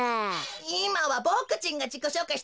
いまはボクちんがじこしょうかいしてますの。